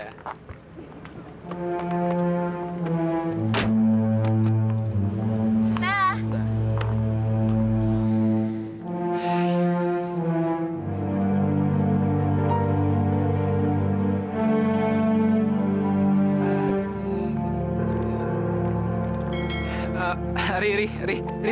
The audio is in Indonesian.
ya tribal ternyata disana